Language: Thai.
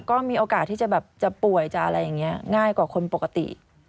ก็มีโอกาสที่จะแบบจะป่วยจะอะไรอย่างนี้ง่ายกว่าคนปกติ